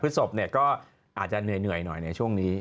ศพก็อาจจะเหนื่อยหน่อยในช่วงนี้